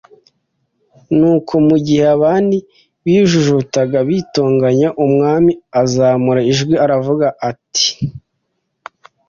Nuko mu gihe abandi bijujutaga bitonganya Umwami azamura ijwi aravuga at